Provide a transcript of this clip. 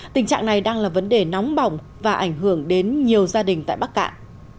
tình trạng này đang là vấn đề nóng bỏng và ảnh hưởng đến nhiều gia đình tại bắc cạn